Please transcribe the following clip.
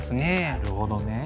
なるほどね。